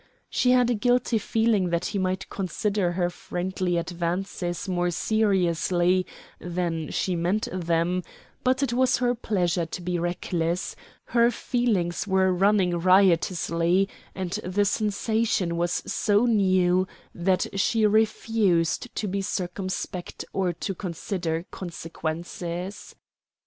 She had a guilty feeling that he might consider her friendly advances more seriously than she meant them, but it was her pleasure to be reckless: her feelings were running riotously, and the sensation was so new that she refused to be circumspect or to consider consequences.